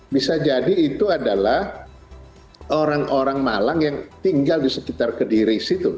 bisa jadi itu adalah orang orang malang yang tinggal di sekitar kediri situ